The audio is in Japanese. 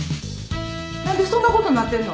何でそんなことになってんの？